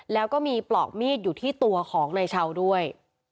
แล้วก็มีปลอกมีดอยู่ที่ตัวของนายชาวด้วย